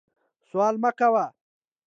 سوال مه کوئ